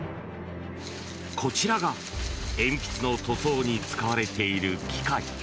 こちらが鉛筆の塗装に使われている機械。